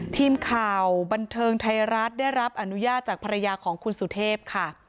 ทีมข่าวบันเทิงไทยรัฐได้รับอนุญาตจากภรรยาของคุณสุเทพค่ะ